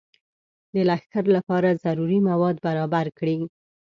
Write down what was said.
د لښکر لپاره ضروري مواد برابر کړي.